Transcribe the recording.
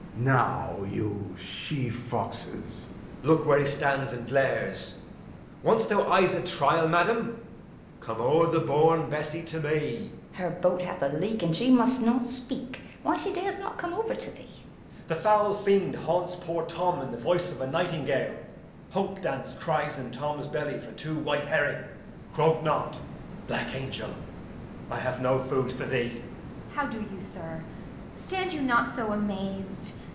Now, you she foxes! Edg. Look, where he stands and glares! Want'st thou eyes at trial, madam? Come o'er the bourn, Bessy, to me. Fool. Her boat hath a leak, And she must not speak Why she dares not come over to thee. Edg. The foul fiend haunts poor Tom in the voice of a nightingale. Hoppedance cries in Tom's belly for two white herring. Croak not, black angel; I have no food for thee. Kent. How do you, sir? Stand you not so amaz'd.